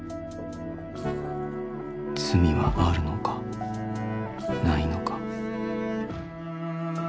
罪はあるのかないのか。